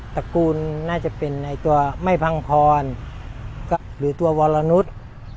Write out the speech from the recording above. ตระกูลน่าจะเป็นในตัวไม่พังพรหรือตัววรนุษย์